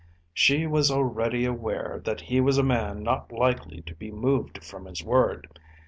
She was already aware that he was a man not likely to be moved from his word.